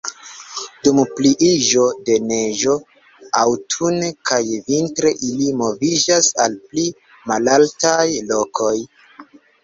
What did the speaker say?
Dum pliiĝo de neĝo aŭtune kaj vintre ili moviĝas al pli malaltaj lokoj.